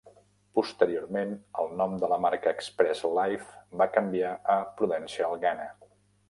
Posteriorment, el nom de la marca Express Life va canviar a Prudential Ghana.